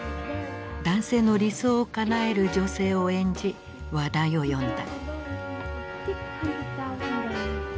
男性の理想をかなえる女性を演じ話題を呼んだ。